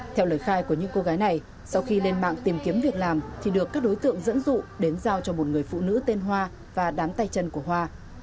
theo lời khai của những cô gái này sau khi lên mạng tìm kiếm việc làm thì được các đối tượng dẫn dụ đến giao cho một người phụ nữ tên hoa và đám tay chân của hoa